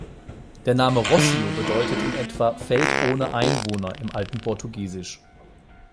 Der Name Rossio bedeutet in etwa „Feld ohne Einwohner“ im alten Portugiesisch.